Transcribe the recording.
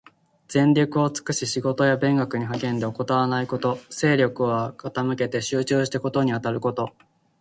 全力を尽くし仕事や勉学に励んで、怠らないこと。精力を傾けて集中して事にあたること。